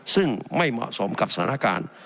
ซึ่งไม่เหมาะสมกับสถานการณ์